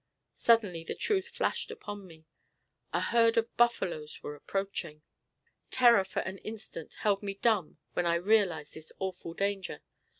Suddenly the truth flashed upon me a herd of buffaloes were approaching. Terror for an instant held me dumb when I realized this awful danger.